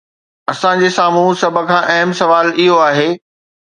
اسان جي سامهون سڀ کان اهم سوال اهو آهي.